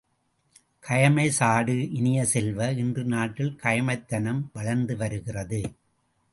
கயமை சாடு இனிய செல்வ, இன்று நாட்டில் கயமைத் தனம் வளர்ந்து வருகிறது.